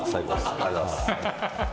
ありがとうございます。